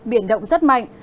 biển động rất mạnh